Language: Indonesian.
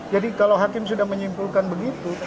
jadi kalau hakim sudah menyimpulkan begitu